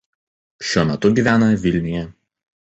Šiuo metu gyvena Vilniuje.